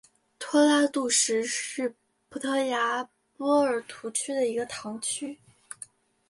托拉杜什是葡萄牙波尔图区的一个堂区。